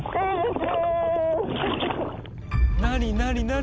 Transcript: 何？